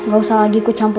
gak usah lagi kucampur